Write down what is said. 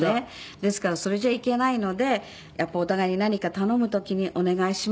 ですからそれじゃいけないのでやっぱりお互いに何か頼む時に「お願いします」という言葉。